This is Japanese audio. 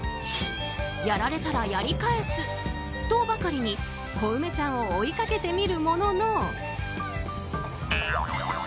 やられたらやり返す！とばかりに小梅ちゃんを追いかけてみるものの。